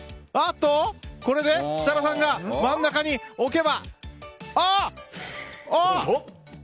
これで設楽さんが真ん中に置けば。